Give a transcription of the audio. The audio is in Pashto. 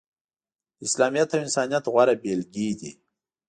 د اسلامیت او انسانیت غوره بیلګې دي.